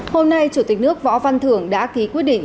hôm nay chủ tịch nước võ văn thưởng đã ký quyết định